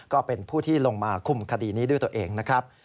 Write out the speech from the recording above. ก็เป็นผู้ที่ลงมาคุมคดีนี้ด้วยตัวเองนะครับ